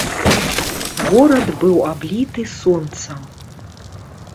Горад быў абліты сонцам.